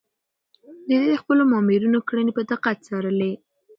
ده د خپلو مامورينو کړنې په دقت څارلې.